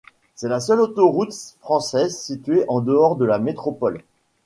C'est la seule autoroute française située en dehors de la métropole.